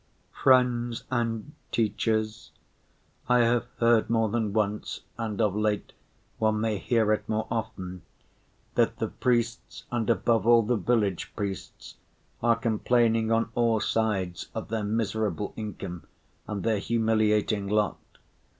Friends and teachers, I have heard more than once, and of late one may hear it more often, that the priests, and above all the village priests, are complaining on all sides of their miserable income and their humiliating lot.